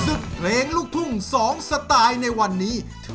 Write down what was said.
แต่ซ่ามหาสมมุทรนะครับยังไม่ได้คะแนนจากคณะกรรมการเลย